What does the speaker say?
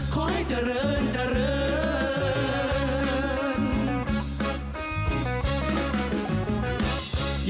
ขอให้เจริญเจริญ